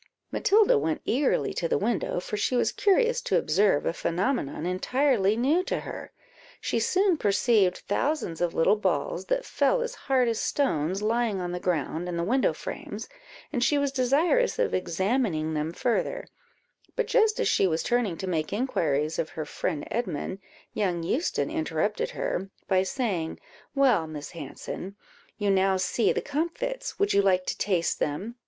Matilda went eagerly to the window, for she was curious to observe a phenomenon entirely new to her. She soon perceived thousands of little balls, that fell as hard as stones, lying on the ground and the window frames, and she was desirous of examining them further; but just as she was turning to make inquiries of her friend Edmund, young Euston interrupted her, by saying "Well, Miss Hanson, you now see the comfits; would you like to taste them?